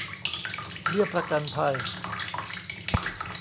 เบี้ยประกันภัย